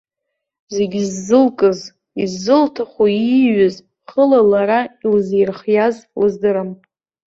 Зегьы ззылкыз, иззылҭаху ииҩыз, хыла лара илзирхиаз лыздырам.